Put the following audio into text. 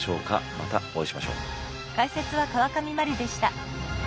またお会いしましょう。